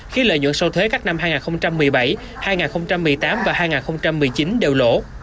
khi lợi nhuận sâu thuế các năm hai nghìn một mươi bảy hai nghìn một mươi tám và hai nghìn một mươi chín đều lỗ